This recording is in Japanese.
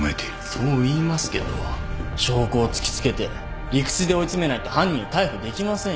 そう言いますけど証拠を突き付けて理屈で追い詰めないと犯人を逮捕できませんよ。